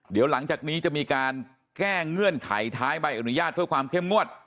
เดี๋ยวหลังจากนี้จะมีการแก้เงื่อนไขท้ายใบอนุญาตเพื่อความเข้มงวด